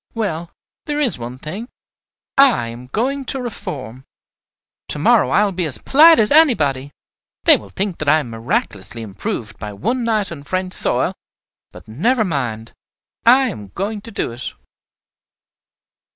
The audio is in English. Well, there is one thing, I am going to reform. To morrow I will be as polite as anybody. They will think that I am miraculously improved by one night on French soil; but, never mind! I am going to do it."